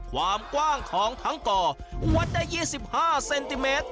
ความกว้างของทั้งก่อวัดได้๒๕เซนติเมตร